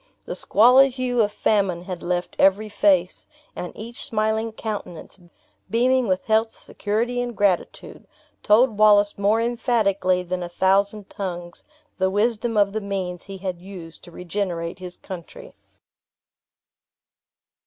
The squalid hue of famine had left every face, and each smiling countenance, beaming with health, security, and gratitude, told Wallace more emphatically than a thousand tongues, the wisdom of the means he had used to regenerate his country.